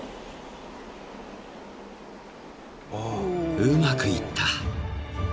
［うまくいった］